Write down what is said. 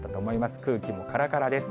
空気もからからです。